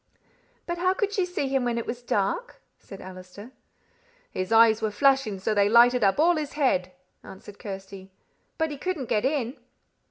"But how could she see him when it was dark?" said Allister. "His eyes were flashing so that they lighted up all his head," answered Kirsty. "But he couldn't get in!"